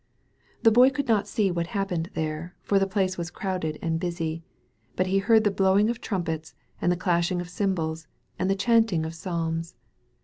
The Boy could not see what happened then, for the place was crowded and busy. But he heard the blowing of trumpets, and the clashing of cym* bals, and the chanting of psalms.